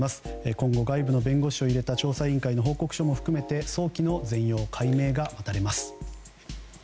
今後、外部の弁護士を入れた調査委員会の報告書も含めて早期の全容解明が待たれます。